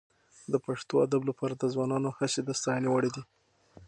د پښتو ادب لپاره د ځوانانو هڅې د ستاینې وړ دي.